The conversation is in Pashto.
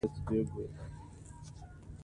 وريره د ورور لور.